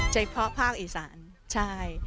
เฉพาะภาคอีสานใช่